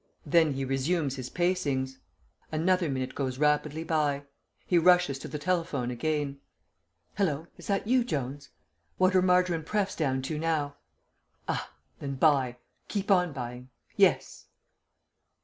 Then he resumes his pacings. Another minute goes rapidly by. He rushes to the telephone again. "Hallo! Is that you, Jones?... What are Margarine Prefs. down to now?... Ah! Then buy. Keep on buying.... Yes."